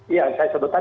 iya saya sebutkan